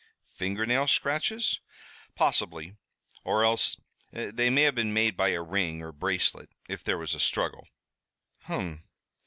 "Finger nail scratches?" "Possibly, or else they may have been made by a ring or bracelet if there was a struggle." "Hum!